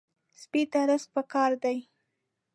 سپي ته رزق پکار دی.